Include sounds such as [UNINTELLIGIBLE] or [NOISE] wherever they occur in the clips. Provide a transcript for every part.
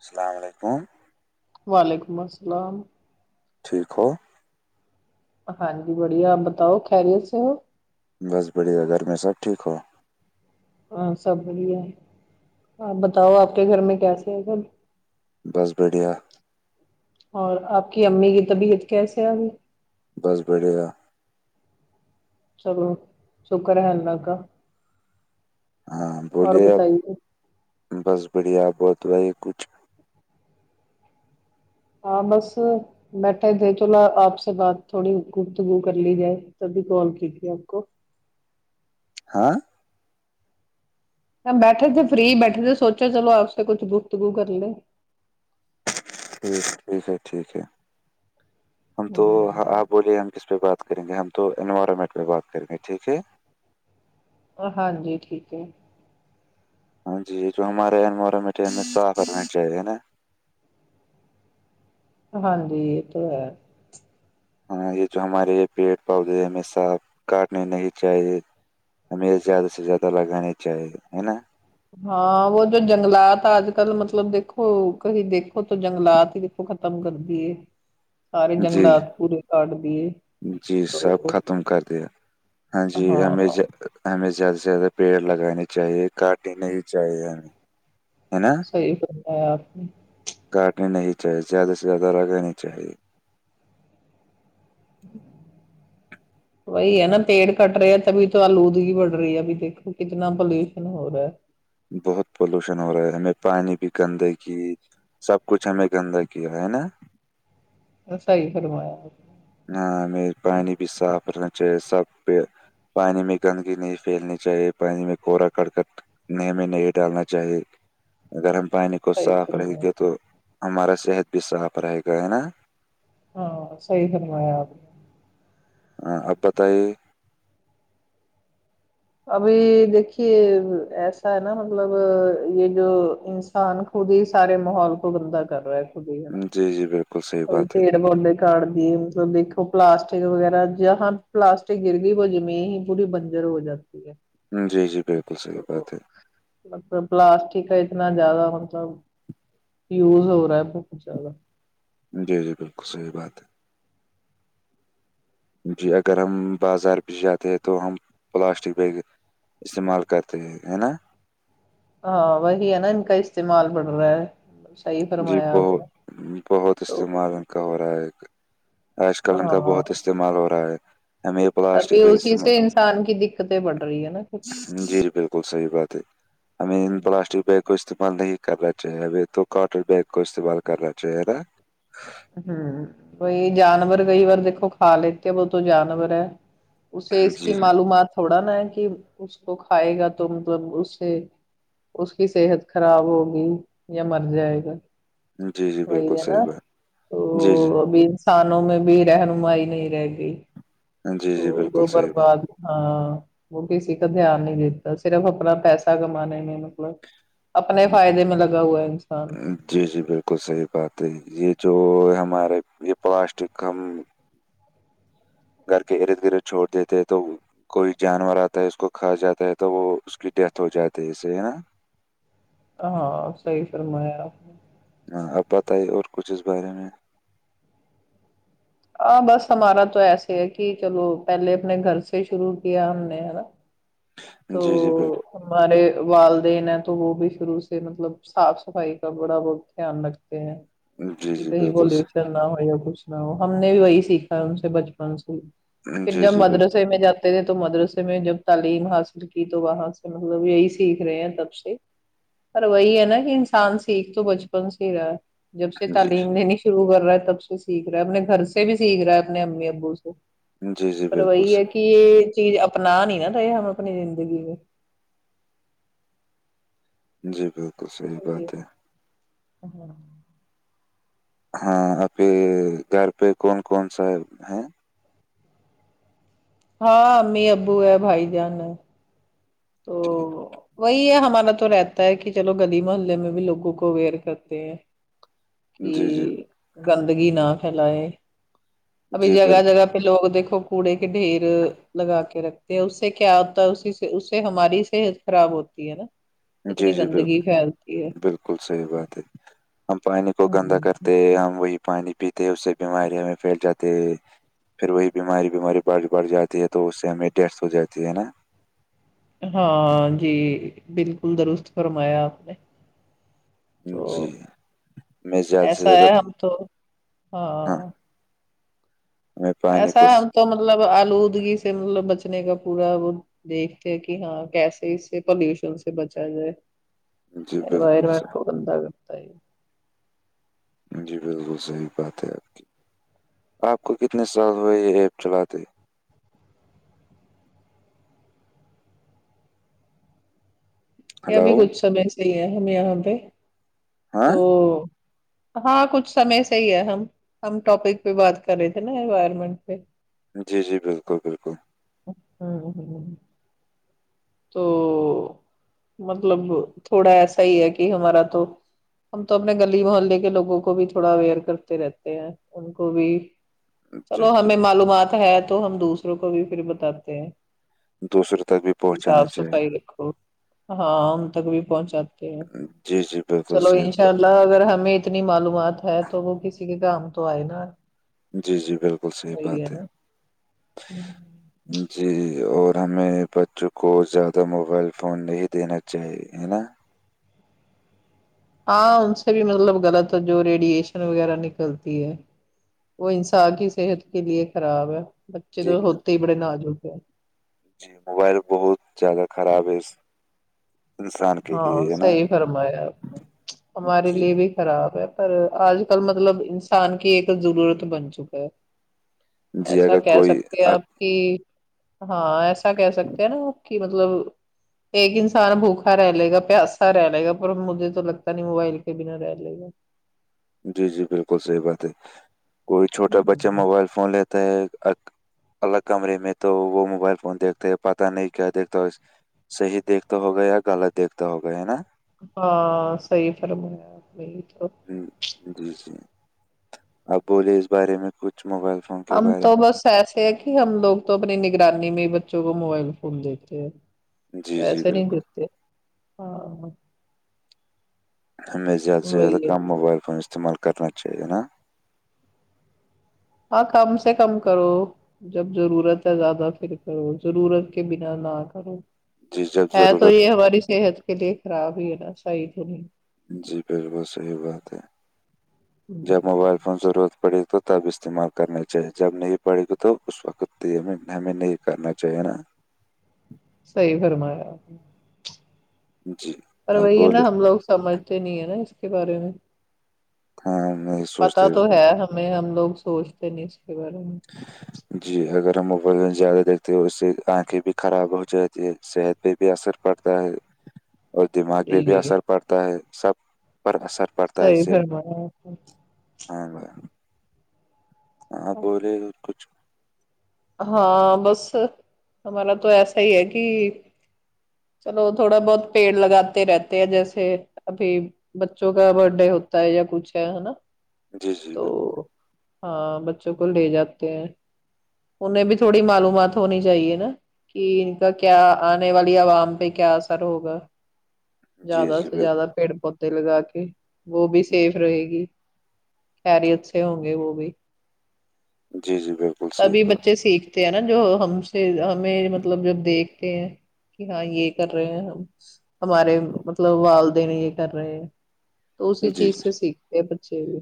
السلام علیکم وعلیکم السلام ٹھیک ہو ہاں جی بڑھیاپ بتاؤ خہ رہی ہے سےو بس بڑھیا گھر میں سب ٹھیک ہو ہاں سب بڑھیا ہے آپ بتاؤ آپ کے گھر میں کیسے ہے سب بس بڈیا اور آپ کی امی کی طبیعت کیسے ابھی بس بڑھیا سل چک رہ ہےناگ ہاں بولیے آپ بتائیے بس بڑھیا آپ بت بھائی کچھ ہاں بس بیٹھے دے تولا آپ سے بات تھوڑی گتگو کر لی جائے تبھی کال کی تے آپ کو ہاں بیٹھے تھے فری بیٹھے تھے سوچا چلو آپ سے کچھ گفتگو کر لے ٹیک ٹھیک ہے ٹھیک ہے ہم تو ہوں، آپ بولیے ہم کس پہ بات کریں گے ہم تو انوائرمنٹ میں بات کریں گے ٹھیک ہے ہاں جی ٹھیک ہے ہاں جی جو ہمارےارے میٹ توف کرنا چاہیے نا ہاں جی یہ تو ہے ہاں یہ جو ہمارے یہ پیڑ پودے ہیںشاف کاٹنے نہیں چاہیے ہمیںے زیادہ سے زیادہ لگانانی چاہیے ہے نا ہاں وہ جو جنگلات آج کل مطلب دیکھو کہیں دیکھو تو جنگلات ہی کو ختم کر دیے سارے جی جنگلات پورے کاٹ دیے جی سب تو ختم کر دیا ہاں جی ہمیں ہاں ج ہمیں زیادہ سے زیادہ پیڑ لگانے چاہیے کاٹنے ہی چاہیے ہمیں ہے نا صحیح کرنایا آپ نے کاٹنی نہیں چاہیے زیادہ سے زیادہ رگنا نہیں چاہیے ہ بی ہے نا پیڑ کٹ رہے ہے تبھی تو آل اودگی بڑ رہی ہے ب دیکھو کتنا پولوشن ہو رہا ہے بہت پولوشن ہو رہا ہے ہمیں پانی بھی گندے کی سب کچھ ہمیں کے اندر کیا ہے نا صحی فرمایا ہاں م پانی بھی صاف رنا چاہیے سب پہ پانی میں گندگی نہیں پھیلنی چاہیے پانی میں کورا ککٹ نی میں نہیں ڈالنا چاہیے گرم پانی کو صحیح صاف رہے فرمایا گے تو ہمارا صحت بھی صاف رہے گا ہے نا ہاں سی فرمایا آپ نے ہاں اپ بتائی ابھی دیکھیے ایسا ہے نا مطلب یہ جو ان نقان خود ہی سار ماحول کو گندا کر رہا ہے خود ہی ہےا جی جی بھ اور تیڑ پڈ کاٹ دی مطلب دیکھو پلاسٹک وغیرہ ج ہاں پلاسٹک گر گئی وہ زمیین ہی پوری بنجر ہو جاتی یک ہے جی جی بالکل صحیح تو بات ہے م پلاسٹک کا اتنا زیادہ مطلب یوز ہو رہا ہے بہت زیادہ جی جی بالکل صحیح بات ہے جی اگر ہم بازار بھی جاتے ہیں تو ہم پلاسٹک بیگ استعمال کرتے ہیں ہے نا ہاں وہہ ا نا ان کا استعمال پڈ رہا ہے صحیح جی فرمایا آپ بہت نے بہت تو استعمال ان کا ہو رہا ہے ایک آج کل ان کا ہاں بہت استعمال ہو رہا ہے ہمیں یہ تبھی پلاسٹک بیگ اسی سے استعمال انسان کی دقتیں بڑھ رہی ہے نا جی جی بالکل صحیح بات ہے ہمیں ان پلاسٹک بیگ کو استعمال نہیں کرنا چاہیے ابھی تو کاٹن ب بیگ کو استعمال کرناا چاہیناا ہوں کوئی جانور کئی بار دیکھو کھا لیتے ہیں وہ تو جانور ہے اسے اس جی کی معلومات تھوڑا نا ہے کہ اس کو کھائے گا تو مطلب اس سے اس کی صحت خراب ہوگی یا مر جائے گا جی جی بالکل صحیح بات جی جی بھی انسانوں میں بھی رہنمائی نہیں رہ گئی جی تو جی بالکل وہ صحیح بات برباد ہاں وہ کسی کا دھیان نہیں دیتا صرف اپنا پیسہ کمانے میں مطلب اپنے فائدے میں لگا ہوا ہے انسان جی جی ب بالک صحیح بات ہے یہ جو ہمارے یہ پلاسٹک ہم گھر کے ارد گرد چھوڑ دیتے تو کوئی جانور آتا ہے اس کو کھا جاتا ہے تو وہ اس کی ڈیتھ ہو جاتی ہے اس سے ہے نا ہاں صحیح فرلم ہےپ ہاں اب بتائیے اور کچھ اس بارے میں آ بس ہمارا تو ایسے ہے کہ چلو پہلے اپنے گھر سے شرو کیا ہم نے ہے نا تو جی جی بالکل ہمارے والدین ہیں تو وہ بھی شروع سے مطلب صاف صفائی کا بڑا بہت دھیان رکھتے ہیں بالکل جی کہ جی کہیں بالکل بول چلنا ہو یا کچھ نہ ہو ہم نے بھی وہی سیکھا ہے ان سے بچپن سے صحیح۔ پھر جی جب جی بالکل مدرسے میں جاتے تھے تو مدرسے میں جب تعلیم حاصل ک تو وہاں سے مطلب یہی سیکھ رہے ہیں تب سے پر وہی ہے نا کہ انسان سیکھ تو بچپن سے ہی رہا ہے جب سے جی تعلیم لینی شروع کر رہا ہے تب سے سیکھ رہا ہے اپنے گھر سے بھی سیکھ رہا ہے اپنے امی ابو سے جی جی پر بالکل وہی ہے کہ یہ چیز اپنا نہیں نہا رہے ہم ہم اپنی زندگی میں جی بالکل صحیح بات ہے جچ [UNINTELLIGIBLE] ہاں ا کے گھر پہ کون کون سا ہے ہاں امی ابو ہے بھائی جان ہے تو [UNINTELLIGIBLE] وہی ہے ہمارا تو رہتا ہے کہ چلو گلی محلے میں بھی لوگوں کو اویئر کرتے ہیں جی کہ گندگی نہ پھیلائے ابھی جی جگہ بالکل جگہ پہ لوگ دیکھو کوڑے کے ڈھیر لگا کے رکھتے ہیں اس سے کیا ہوتا ہے اسی سے ہماری صحت خراب ہوتی ہے نا جی اتنی جی گندگی بالکل پھیل بالکل صحیح بات ہے ہم پانی کو گندا ہوں کرتے ہم وہی پانی پیتے اس سے بیماری ہم پھیل جاتے پھر وہی بیماری بیماری بڑھ بڑھ جاتی ہے تو اس سے ہمیں ڈیتھ ہو جاتی ہے نا ہاں جی بالکل درست فرمایا آپ نے تو جی میں زیادہ سے ایسا زیادہ ہے ہم تو ہاں میں پانی ایسا کو ہم تو مطلب آلودودگی سے مطلب بچنے کا پورا وہ دیکھتے ہیں کہ ہاں کیسے اس سے پالوشن سے بچا جائے جی بالکل ر مٹ کو بندگت ہے [UNINTELLIGIBLE] جی بالکل صحیح بات ہے آپ کی آپ کو کتنے سال ہوئے یہ ایپ چلاتے یہ ہلو ابھی کچھ سمے سے ہی ہے ہم یہاں پہ ہاں تو ہاں کچھ سمے سے ہی ہے ہم ہم ٹاپک پہ بات کر رہے تھے نا انوائرمنٹ پہ جی جی بالکل بالکل ہ ہ تو [INAUDIBLE] مطلب تھوڑا ایسا ہی ہے کہ ہمارا تو ہم تو اپنے گلی محلے کے لوگوں کو بھی تھوڑا اویئر کرتے رہتے ہیں ان کو بھی جی چلو جی ہمیں معلومات ہے تو ہم دوسروں کو بھی پھر بتاتے دوسروں تک بھی ہیں پہنچانا صاف صفائی چاہیے رکھو ہاں ان تک بھی پہنچات جی جی بالکل چلو صحیح انشاء اللہ اگر ہمیں اتنی معلومات ہے تو وہ کسی کے کام تو آئے نا جی جی بالکل صحیح بات وہی ہے نا جی اور ہمیں بچوں کو زیادہ موبائل فون نہیں دینا چاہیے ہے نا ہاں ان سے بھی مطلب غلط ہے جو ریڈیئیشن وغیرہ نکلتی ہے وہ انسا کی صحت کے لیے خراب ہے بچے جی تو ہوتے ہی بڑے ناجک ہے جی موبائل بہت زیادہ خراب ہے انسان کے ہاں لیے ہے نا صحی فرمایا آپ نے ہمارے جی لیے بھی خراب ہے پر آج کل مطلب انسان کی ایک ضرورت بن چکا ہے جی ایسا اگر کہ کوئی سکتے ہیں آپ کہ ہاں ایسا کہہ سکتے ہیں نا کہ مطلب ایک انسان بھوک رہ لے گا پیاسا رہ لےا مجھے تو لگتا نہیں موبائل کے بنا رہ لے گا جی جی بالکل صحیح بات ہے کوئی چھوٹا بچہ موبائل فون لیتا ہے الگ کمرے میں تو وہ موبائل فون دیکھتے ہیں پتہ نہیں کیا دیکھتا اس صحیح دیکھتا ہوگا یا غلط دیکھتا ہوگا ہے نا ہاں صحیح فرمایا آپ میں تو ہ جی جی اپ بولے اس بارے میں کچھ موبائل فون کے ہم بارے تو بس ایسے ہے کہ ہم لوگ تو اپنی نگرانی میں بچوں کو موبائل فون دیکتے ہیں میں جی جی ویسے نہیں بالکل کرتے ہاں ہمیں زیادہ سے زیادہ وہی ہے کم موبائل فون استعمال کرنا چاہیے نا ہاں کم سے کم کرو جب ضرورت ہے زیادہ فھر کرو ضرورت کے بنا نہ کرو جی جب ہے تو ضرورت یہ ہماری صحت کے لیے خراب ہی ہے نا صحی تو نہیں جی بالکل صحیح بات ہے جب موبائل فون ضرورت پڑی تو تب استعمال کرنا چاہیے جب نہیں پڑے گی تو اس وقت ہمیں ہمیں نہیں کرنا چاہیے نا صحیح فرمایا جی پر آپ وہی ہے نا بولے ہم لوگ سمجھتے نہیں ہے نا اس کے بارے میں ہاں م [UNINTELLIGIBLE] پتا تو ہے ہمیں ہم لوگ سوچتے نہیں اس کے بارے میں جی اگر ہم موبائل زیادہ دیکھتے ہو اس سے آنکھیں بھی خراب ہو جاتی ہے صحت پہ بھی اثر پڑتا ہے [INAUDIBLE] اور دماغ میں بھی جی اثر پڑتا ہے سب پر اثر پڑتا ہے صحیح اس سے فرمایا آپ نے ہاں آپ بولے کچھ ہاں بس ہمارا تو ایسا ہی ہے کہ چلو تھوڑا بہت پیڑ لگاتے رہتے ہیں جیسے ابھی بچوں کا برتھ ڈے ہوتا ہے یا کچھ ہے ہے نا جی جی تو بالکل ہاں بچوں کو لے جاتے ہیں انہیں بھی تھوڑی معلومات ہونی چاہیے نا کہ ان کا کیا آنے والی عوام پہ کیا اثر ہوگا جی زیادہ جی سے بالکل زیادہ پیڑ پودے لگا کے وہ بھی سیف رہے گی خریت سے ہوں گے وہ بھی جی جی بالکل صحیح تبھی بات بچے سیکھتے ہیں نا جو ہم سے ہمیں مطلب جب دیکھتے ہیں کہ ہاں یہ کر رہے ہیں ہمارے مطلب والدین یہ کر رہے ہیں تو اسی جی چیز سے سیکھتے بچے بھی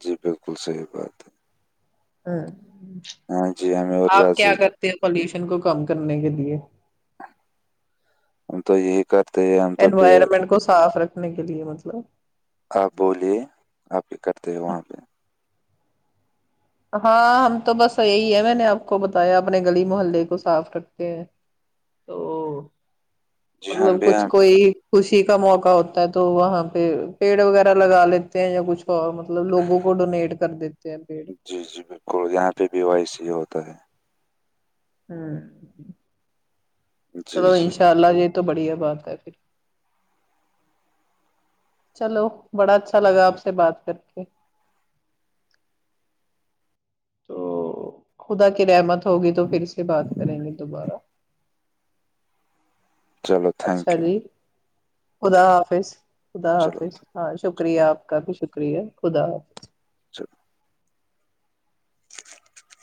جی بالکل صحیح بات ہے ہاں ہاں جی ہم آپ کیا کرتے ہیں پالوشن کو کم کرنے کے لیے ہم تو یہ کرتے ہیں تو پیڑ انوائرمنٹ کو صاف رکھنے کے لیے مطلب آپ بولیے آپ یہ کرتے ہو وہاں پہ ہاں ہم تو بس یہی ہے میں نے آپ کو بتایا اپنے گلی محلے کو صاف رکھتے ہیں تو جی ہم مطلب بھی کچھ یہاں کوئی خوشی کا موقع ہوتا ہے تو وہاں پہ پیڑ وغیرہ لگا لیتے ہیں یا کچھ اور مطلب لوگوں کو ڈونیٹ کر دیتے ہیں پیڑ جی جی بالکل یہاں پہ بھی وائی سی ہی ہوتا ہے ہ جی چلو جی انشاء اللہ جی تو بڑھیا بات ہے پھر چلو بڑا اچھا لگا آپ سے بات کر کے تو خدا کی رحمت ہوگی تو پھر سے بات کریں گے دوبارہ چلو اچھا تھینک یو جی خدا حافظ خدا چلو حافظ ہاں شکریہ آپ کا بھی شکریہ خدا حافظ [INAUDIBLE] [INAUDIBLE]